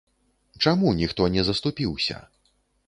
Чаму ніхто не заступіўся?